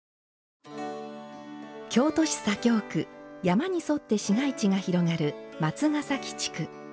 京都市左京区山に沿って市街地が広がる松ヶ崎地区。